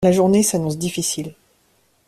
La journée s’annonce difficile.